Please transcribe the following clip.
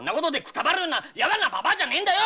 やわなババアじゃねえんだよ